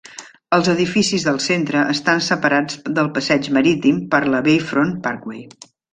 Els edificis del centre estan separats del passeig marítim per la Bayfront Parkway.